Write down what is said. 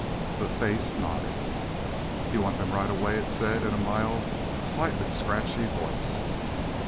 The face nodded. "You want them right away?" it said in a mild, slightly scratchy voice.